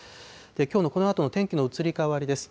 きょうのこのあとの天気の移り変わりです。